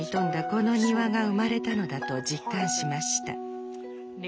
この庭が生まれたのだと実感しました。